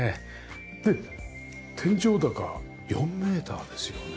で天井高４メーターですよね。